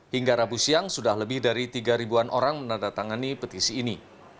hingga rabu siang sudah lebih dari tiga ribuan orang menandatangani petisi ini